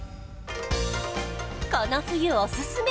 この冬おすすめ！